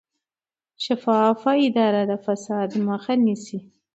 شفافه اداره د فساد مخه نیسي